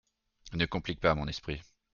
Ne complique pas mon esprit.